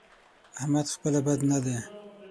احمد خپله بد نه دی؛